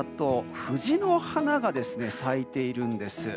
藤の花が咲いているんです。